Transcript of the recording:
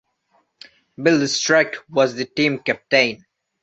Bill Strack was the team captain.